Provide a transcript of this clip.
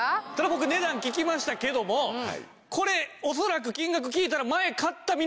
僕値段聞きましたけどもこれ恐らく金額聞いたらマジで？